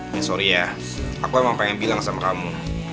ini sorry ya aku emang pengen bilang sama kamu